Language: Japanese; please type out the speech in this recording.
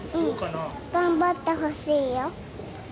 頑張ってほしいよ。